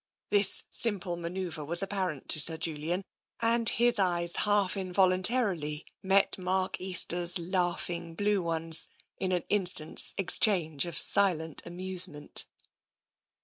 This simple manoeuvre was ap parent to Sir Julian, and his eyes half involuntarily met Mark Easter's laughing blue ones in an instant's ex change of silent amusement.